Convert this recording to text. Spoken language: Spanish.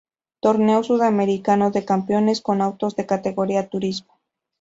Torneo Sudamericano de Campeones" con autos de la categoría Turismo.